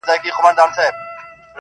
ز ماپر حا ل باندي ژړا مه كوه.